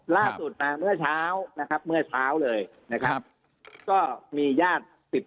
ล่าสุดมาเมื่อเช้านะครับเมื่อเช้าเลยนะครับก็มีญาติสิบ